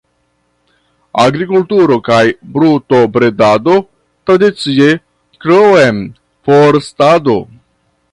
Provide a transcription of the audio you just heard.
Agrikulturo kaj brutobredado tradicie, krom forstado.